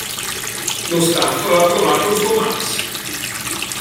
Lo staff aveva trovato il suo Max.